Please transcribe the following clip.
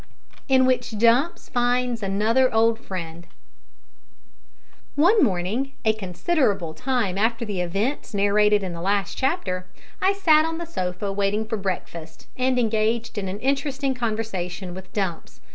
IN WHICH DUMPS FINDS ANOTHER OLD FRIEND. One morning, a considerable time after the events narrated in the last chapter, I sat on the sofa waiting for breakfast, and engaged in an interesting conversation with Dumps.